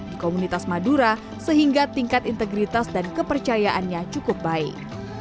di komunitas madura sehingga tingkat integritas dan kepercayaannya cukup baik